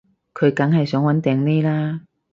佢梗係想搵掟匿喇